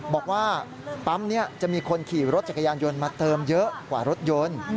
บอกว่าปั๊มนี้จะมีคนขี่รถจักรยานยนต์มาเติมเยอะกว่ารถยนต์